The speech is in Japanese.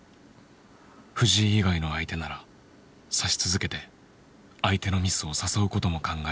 藤井以外の相手なら指し続けて相手のミスを誘うことも考えられた。